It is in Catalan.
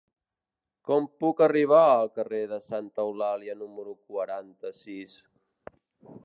Com puc arribar al carrer de Santa Eulàlia número quaranta-sis?